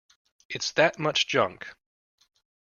It's that much junk.